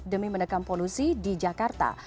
demi menekam polusi di jakarta